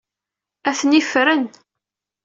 Atni ffren.